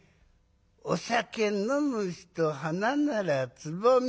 『お酒飲む人花ならつぼみ